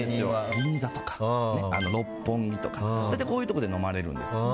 銀座とか六本木とか大体こういうところで飲まれるんですね。